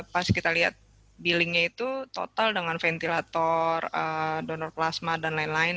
pas kita lihat billingnya itu total dengan ventilator donor plasma dan lain lain